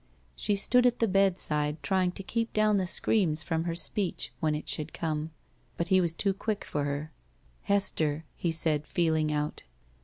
She stood at the bedside, trjring to keep down the screams from her speech when it should come. But he was too quick for her. "Hester," he said, feeling out.